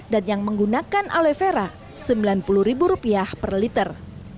dan yang menggunakan aloe vera rp sembilan puluh per liter